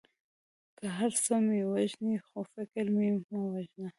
که هر څه مې وژنې خو فکر مې مه وژنه.